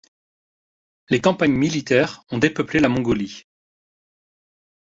Les campagnes militaires ont dépeuplé la Mongolie.